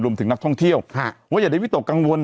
ถึงนักท่องเที่ยวว่าอย่าได้วิตกกังวล